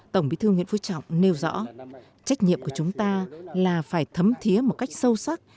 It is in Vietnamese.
tổng bí thư nguyễn phú trọng nêu rõ trách nhiệm của chúng ta là phải thấm thiế một cách sâu sắc